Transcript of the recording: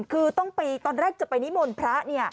คือต้องไปตอนแรกจะไปนิมนต์พระเนี่ย